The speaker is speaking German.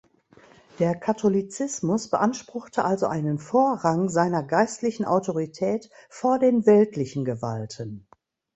Der Katholizismus beanspruchte also einen Vorrang seiner geistlichen Autorität vor den weltlichen Gewalten.